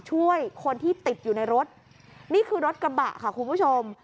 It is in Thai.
ช่วยคนที่ติดอยู่ในรถนี่คือรถกระบะค่ะคุณผู้ชม